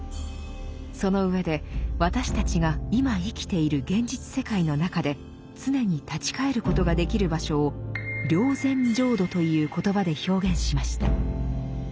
その上で私たちが今生きている現実世界の中で常に立ち返ることができる場所を「霊山浄土」という言葉で表現しました。